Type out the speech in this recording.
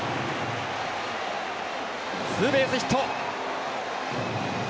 ツーベースヒット！